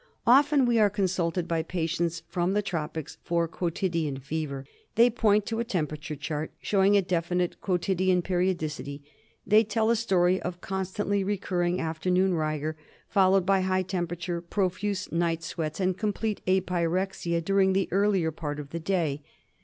Often we are consulted by patients from the tropics for quotidian fever. They point to a temperature chart showing a definite quotidian periodicity. They tell a story of constantly recurring afternoon rigor, followed by high temperature, profuse night sweats, and complete apyrexia during the earlier part of the day.